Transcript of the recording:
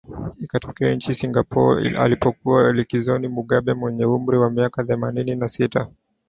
akitokea nchini singapore alipokuwa likizoni mugabe mwenye umri wa miaka themanini na sita